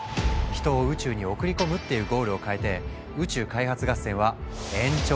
「人を宇宙に送り込む」っていうゴールをかえて宇宙開発合戦は延長戦に突入。